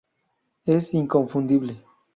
Es inconfundible.